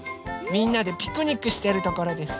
みんなでピクニックしてるところです。